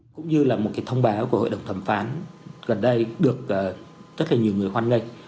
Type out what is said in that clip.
cũng như là một cái thông báo của hội đồng thẩm phán gần đây được rất là nhiều người hoan nghênh